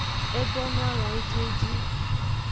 E donoalon ejieji.